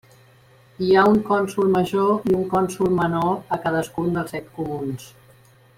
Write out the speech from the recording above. Hi ha un cònsol major i un cònsol menor a cadascun dels set comuns.